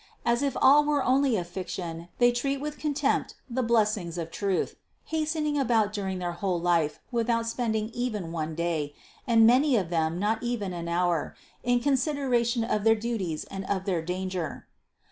As if all were only a fiction they treat with contempt the blessings of truth, hastening about during their whole life without 396 CITY OF GOD spending even one day, and many of them not even an hour, in the consideration of their duties and of their danger.